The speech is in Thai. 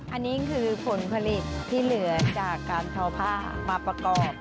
อันนี้คือผลผลิตที่เหลือจากการทอผ้ามาประกอบ